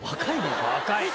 若い！